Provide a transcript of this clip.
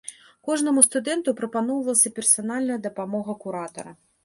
Кожнаму студэнту прапаноўвалася персанальная дапамога куратара.